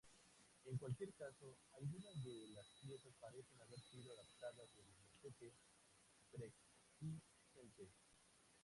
En cualquier caso, algunas de las piezas parecen haber sido adaptadas de motetes preexistentes.